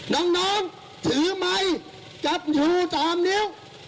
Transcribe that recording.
น้องถือไมค์จับชู๓นิ้ว